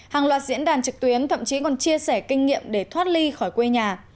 hàng loạt diễn đàn trực tuyến thậm chí còn chia sẻ kinh nghiệm để thoát ly khỏi quê nhà